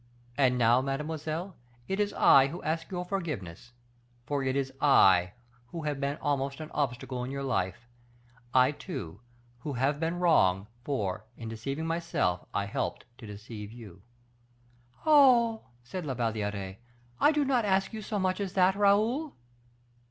And now, mademoiselle, it is I who ask your forgiveness, for it is I who have almost been an obstacle in your life; I, too, who have been wrong, for, in deceiving myself, I helped to deceive you." "Oh!" said La Valliere, "I do not ask you so much as that, Raoul."